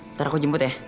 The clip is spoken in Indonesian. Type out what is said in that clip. ntar aku jemput ya